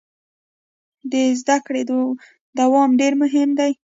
د زده کړې دوام ډیر مهم دی.